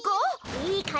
いいから！